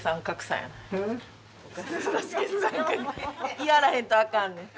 いはらへんとあかんねん。